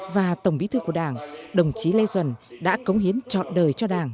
và tổng bí thư của đảng đồng chí lê duẩn đã cống hiến trọn đời cho đảng